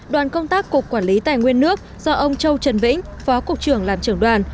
đoàn công tác cục quản lý tài nguyên nước do ông châu trần vĩnh phó cục trưởng làm trưởng đoàn